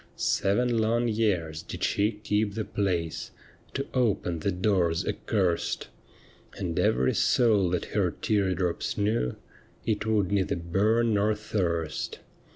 Seven long years did she keep the place. To open the doors accurst ; And every soul that her tear drops knew — It would neither burn nor thirst.